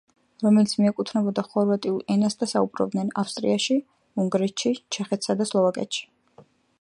რომელიც მიეკუთვნება ხორვატულ ენას და საუბრობენ: ავსტრიაში, უნგრეთში, ჩეხეთსა და სლოვაკეთში.